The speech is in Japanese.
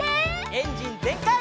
エンジンぜんかい！